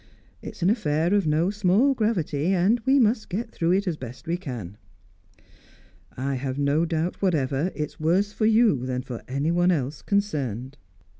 It's an affair of no small gravity, and we must get through it as best we can. I have no doubt whatever it's worse for you than for anyone else concerned."